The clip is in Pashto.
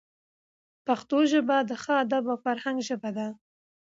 پښتو ژبه د ښه ادب او فرهنګ ژبه ده.